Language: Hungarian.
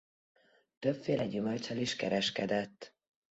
Többféle gyümölccsel is kereskedett.